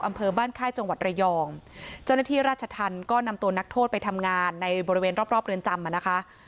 อำเภอบ้านค่ายจังหวัดระยองเจ้าหน้าที่ราชธรรมก็นำตัวนักโทษไปทำงานในบริเวณรอบรอบเรือนจำอ่ะนะคะ